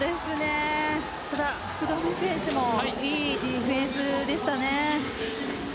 ただ福留選手もいいディフェンスでしたね。